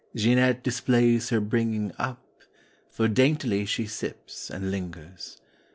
Jeanette displays her bringing up. For daintily she sips and lingers.